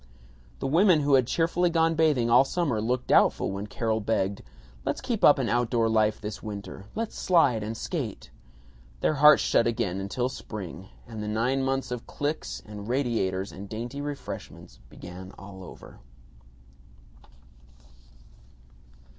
The women who had cheerfully gone bathing all summer looked doubtful when Carol begged, "Let's keep up an outdoor life this winter, let's slide and skate." Their hearts shut again till spring, and the nine months of cliques and radiators and dainty refreshments began all over.